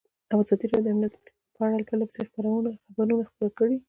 ازادي راډیو د امنیت په اړه پرله پسې خبرونه خپاره کړي.